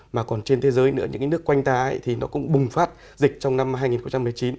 mà còn trên thế giới nữa những nước quanh ta thì nó cũng bùng phát dịch trong năm hai nghìn một mươi chín